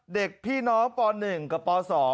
เด็กพี่น้องป๑กับป๒